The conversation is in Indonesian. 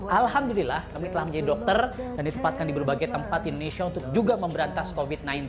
alhamdulillah kami telah menjadi dokter dan ditempatkan di berbagai tempat di indonesia untuk juga memberantas covid sembilan belas